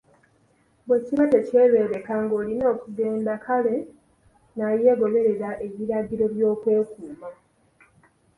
Bwe kiba tekyebeereka ng’olina okugenda, kale naye goberera ebiragiro by’okwekuuma.